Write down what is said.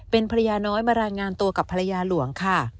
เป็นภรรยาน้อยมารายงานตัวกับภรรยาหลวงค่ะ